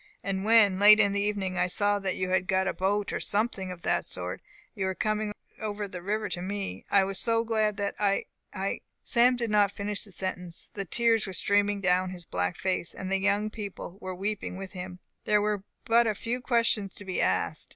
And when, late in the evening, I saw that you had got a boat, or something of that sort, and were coming over the river to me, I was so glad that I I " Sam did not finish the sentence. The tears were streaming down his black face, and the young people were weeping with him. There were but few questions to be asked.